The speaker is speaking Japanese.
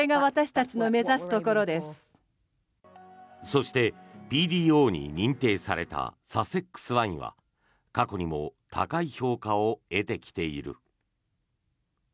そして、ＰＤＯに認定されたサセックス・ワインは過去にも高い評価を得てきている。